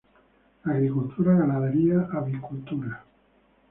Agricultura, ganadería, avicultura.